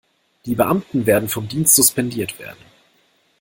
Die Beamten werden vom Dienst suspendiert werden.